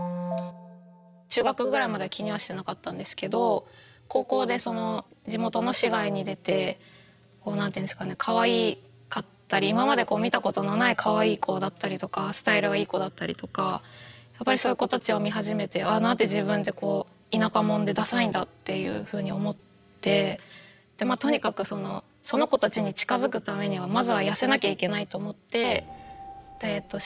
中学ぐらいまでは気にはしてなかったんですけど高校で地元の市外に出て何ていうんですかねかわいかったり今まで見たことのないかわいい子だったりとかスタイルがいい子だったりとかやっぱりそういう子たちを見始めてああなんて自分って田舎者でダサいんだっていうふうに思ってとにかくその子たちに近づくためにはまずは痩せなきゃいけないと思ってダイエットして。